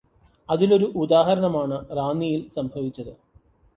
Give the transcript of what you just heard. അതിലൊരു ഉദാഹരണമാണ് റാന്നിയിൽ സംഭവിച്ചത്.